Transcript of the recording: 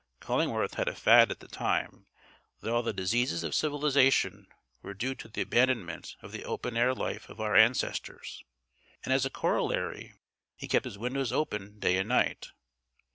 Cullingworth had a fad at the time, that all the diseases of civilisation were due to the abandonment of the open air life of our ancestors, and as a corollary he kept his windows open day and night.